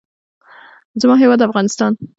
زما هېواد افغانستان.